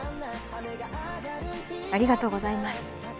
ありがとうございます